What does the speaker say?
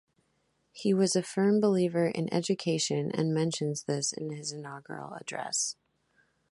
He was a firm believer in education and mentions this in his inaugural address.